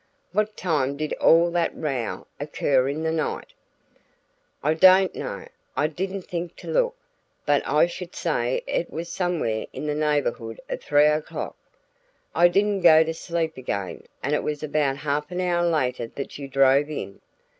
"What time did all that row occur in the night?" "I don't know; I didn't think to look, but I should say it was somewhere in the neighborhood of three o'clock. I didn't go to sleep again, and it was about half an hour later that you drove in."